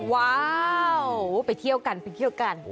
ว้าวไปเที่ยวกันไปเที่ยวกัน